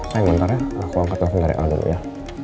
sayang bentar ya aku angkat telepon dari al dulu ya